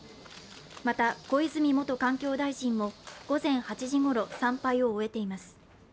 また小泉元環境大臣も午前８時ごろ参拝を終えています。